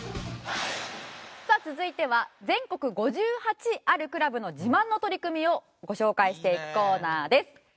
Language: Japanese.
さあ続いては全国５８あるクラブの自慢の取り組みをご紹介していくコーナーです。